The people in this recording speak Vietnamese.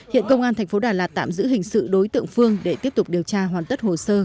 hiện công an thành phố đà lạt tạm giữ hình sự đối tượng phương để tiếp tục điều tra hoàn tất hồ sơ